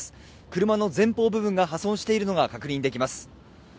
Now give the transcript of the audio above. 車の前方部分が破損しているのが確認できます。